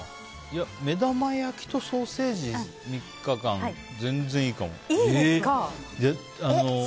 目玉焼きとソーセージ３日間全然いいかも。